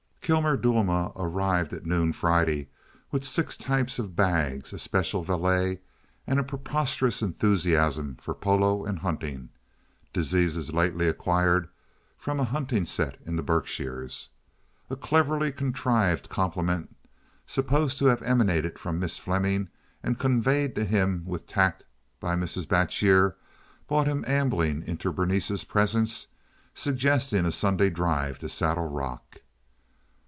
Kilmer Duelma arrived at noon Friday with six types of bags, a special valet, and a preposterous enthusiasm for polo and hunting (diseases lately acquired from a hunting set in the Berkshires). A cleverly contrived compliment supposed to have emanated from Miss Fleming and conveyed to him with tact by Mrs. Batjer brought him ambling into Berenice's presence suggesting a Sunday drive to Saddle Rock.